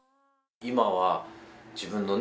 今は自分のね